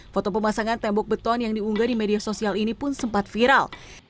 foto pemasangan tembok beton yang diunggah di media sosial ini pun sempat viral